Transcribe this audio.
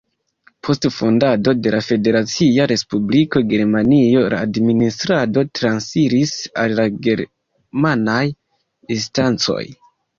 Post fondado de la Federacia Respubliko Germanio la administrado transiris al la germanaj instancoj.